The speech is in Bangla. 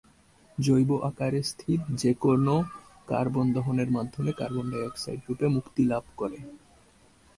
জৈব আকারে স্থিত যে কোনও কার্বন দহনের মাধ্যমে কার্বন ডাই অক্সাইড রূপে মুক্তিলাভ করে।